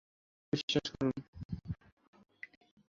আমাকে বিশ্বাস করুন!